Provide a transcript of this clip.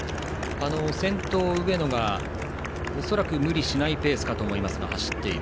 先頭の上野が恐らく無理しないペースかと思いますが走っている。